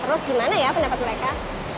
terus gimana ya pendapat mereka